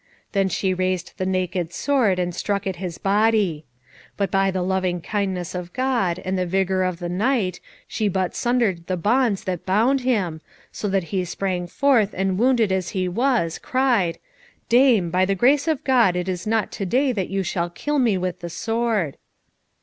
Then she raised the naked sword, and struck at his body. But by the loving kindness of God, and the vigour of the knight, she but sundered the bonds that bound him, so that he sprang forth, and wounded as he was, cried, "Dame, by the grace of God it is not to day that you shall kill me with the sword."